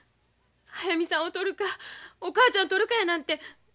速水さんをとるかお母ちゃんをとるかやなんて。